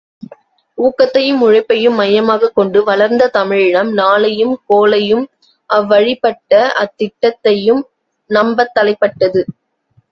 ஊக்கத்தையும் உழைப்பையும் மையமாகக் கொண்டு வளர்ந்த தமிழினம், நாளையும் கோளையும் அவ்வழிப்பட்ட அத் திட்டத்தையும் நம்பத் தலைப்பட்டது.